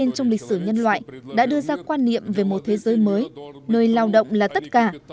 ngay trên mặt đất